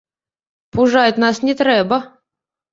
Пужаць нас не трэба.